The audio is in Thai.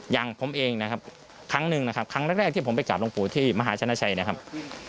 อย่างผมเองนะครับครั้งหนึ่งนะครับครั้งแรกที่ผมไปกลับลงปู่ที่มหาชนะชัยนะครับ